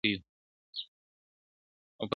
او پر ځای د بلبلکو مرغکیو ..